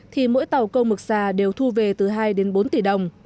thì mỗi tàu câu mực xà đều thu về từ hai đến bốn tỷ đồng